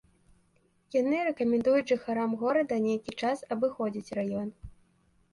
Яны рэкамендуюць жыхарам горада нейкі час абыходзіць раён.